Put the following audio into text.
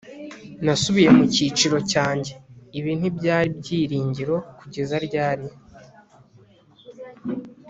nasubiye mu cyicaro cyanjye. ibi ntibyari byiringiro; kugeza ryari